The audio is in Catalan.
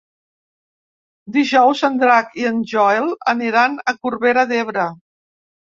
Dijous en Drac i en Joel aniran a Corbera d'Ebre.